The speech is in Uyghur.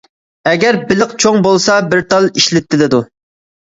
ئەگەر بېلىق چوڭ بولسا بىر تال ئىشلىتىلىدۇ.